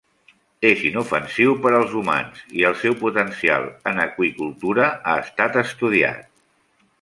És inofensiu per als humans i el seu potencial en aqüicultura ha estat estudiat.